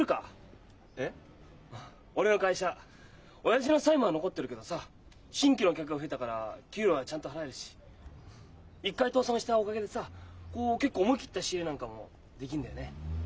親父の債務は残ってるけどさ新規の客が増えたから給料はちゃんと払えるし一回倒産したおかげでさこう結構思い切った仕入れなんかもできるんだよね。